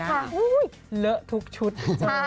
เหลือทุกชุดค่ะ